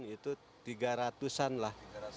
itu rp tiga ratus lah